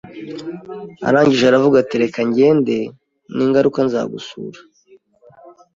ariko arangije aravuga ati reka ngende ningaruka nzagusura